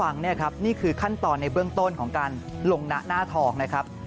นี่คือขั้นตอนในเบื้องต้นของการลงหน้าทองนะครับ